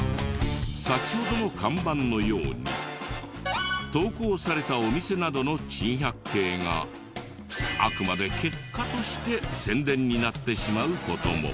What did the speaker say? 先ほどの看板のように投稿されたお店などの珍百景があくまで結果として宣伝になってしまう事も。